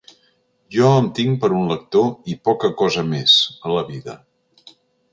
Jo em tinc per un lector i poca cosa més, a la vida.